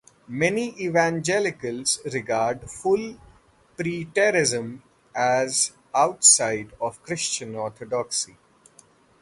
Many evangelicals regard full preterism as outside of Christian orthodoxy.